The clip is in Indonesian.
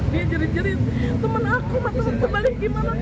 dia jerit jerit temen aku mata aku terbalik gimana terbalik